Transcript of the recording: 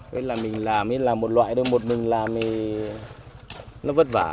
thế là mình làm như là một loại thôi một mình làm thì nó vất vả